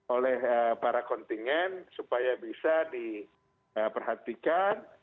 oleh para kontingen supaya bisa diperhatikan